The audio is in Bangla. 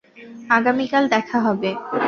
আগামীকাল দেখা হবে।